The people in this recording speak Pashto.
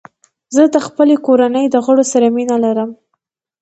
زه د خپلې کورنۍ د غړو سره مینه لرم.